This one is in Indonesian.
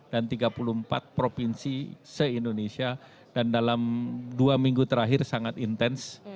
dan tiga puluh empat provinsi se indonesia dan dalam dua minggu terakhir sangat intens